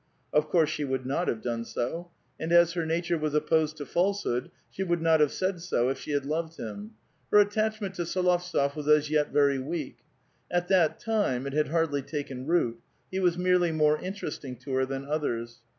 Of coui*se she would not have done so ; and as her nature was opposed to falseliood, she would not have said so if she had loved hira. Her attachment to S61ovtsof was as yet very weak. At that time it had hardly taken root ; he was merely more interesting to her than others.